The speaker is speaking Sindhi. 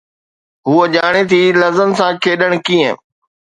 هوءَ ڄاڻي ٿي لفظن سان کيڏڻ ڪيئن